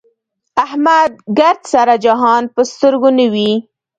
احمد ګردسره جهان په سترګو نه وي.